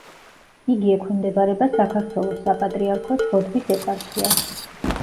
იგი ექვემდებარება საქართველოს საპატრიარქოს ბოდბის ეპარქიას.